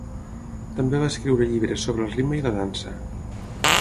També va escriure llibres sobre el ritme i la dansa.